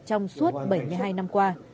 trong suốt bảy mươi hai năm qua